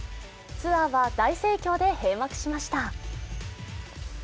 ツアーは大盛況で閉幕しました。